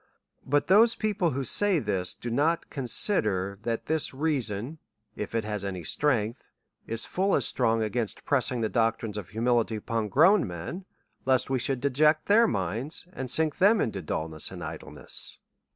But these people who say this, do not consider, that this reason, if it has any strength, is full as strong against pressing the doctrines of humility upon grown men, lest we should deject their minds, and sink them into dulness and idleness.